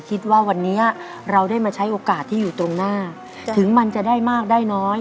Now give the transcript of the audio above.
คิดว่าวันนี้เราได้มาใช้โอกาสที่อยู่ตรงหน้าถึงมันจะได้มากได้น้อย